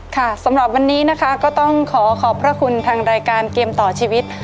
สำหรับวันนี้นะคะก็ต้องขอขอบพระคุณทางรายการเกมต่อชีวิต